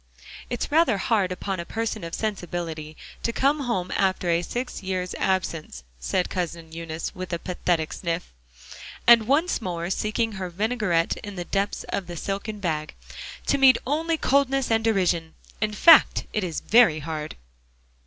"It's rather hard upon a person of sensibility, to come home after a six years' absence," said Cousin Eunice with a pathetic sniff, and once more seeking her vinaigrette in the depths of the silken bag, "to meet only coldness and derision. In fact, it is very hard."